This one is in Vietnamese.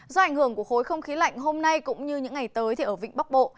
do ảnh hưởng của khối không khí lạnh hôm nay cũng như những ngày tới thì ở vịnh bắc bộ